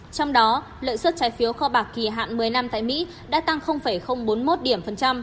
trong đó lợi suất trái phiếu kho bạc kỳ hạn một mươi năm tại mỹ đã tăng bốn mươi một điểm phần trăm